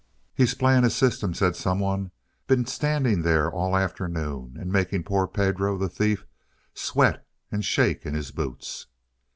"He's playing a system," said someone. "Been standing there all afternoon and making poor Pedro the thief! sweat and shake in his boots."